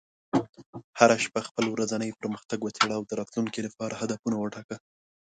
هره شپه خپل ورځنی پرمختګ وڅېړه، او د راتلونکي لپاره هدفونه وټاکه.